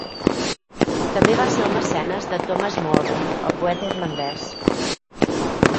També va ser el mecenes de Thomas Moore, el poeta irlandès.